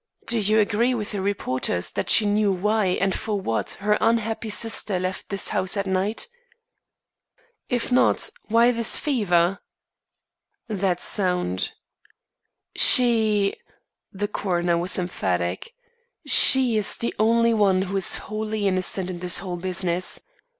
Do you agree with the reporters that she knew why and for what her unhappy sister left this house that night?" "If not, why this fever?" "That's sound." "She " the coroner was emphatic, "she is the only one who is wholly innocent in this whole business.